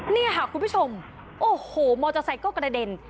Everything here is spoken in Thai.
นี่ค่ะคุณผู้ชมโอ้โหมอเตอร์ไซค์ก็กระเด็น